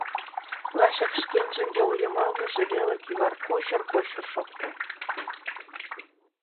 Лачак шкенжын йол йымалныже веле кӱвар кочыр-кочыр шокта.